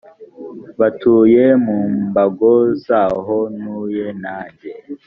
batuye mu mbago z’aho ntuye nanjye